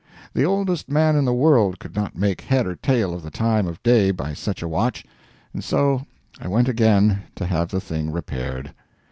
The oldest man in the world could not make head or tail of the time of day by such a watch, and so I went again to have the thing repaired.